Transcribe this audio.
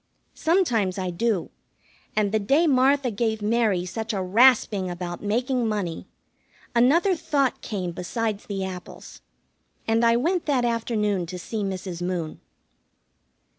Sometimes I do, and the day Martha gave Mary such a rasping about making money, another thought came besides the apples, and I went that afternoon to see Mrs. Moon.